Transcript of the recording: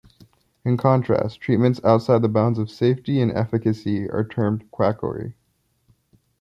In contrast, treatments outside the bounds of safety and efficacy are termed quackery.